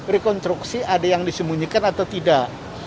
rekonstruksi ada yang disembunyikan atau tidak